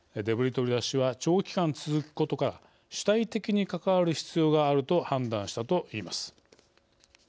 デブリ取り出しは長期間、続くことから主体的に関わる必要があると判断したといいます。